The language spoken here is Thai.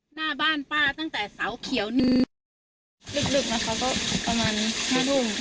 หน้าบ้านป้าตั้งแต่เสาเขียวนี่ลึกมาครับก็ประมาณห้าทุ่มเชียงคืน